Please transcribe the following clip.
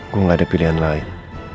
gue gak ada pilihan lain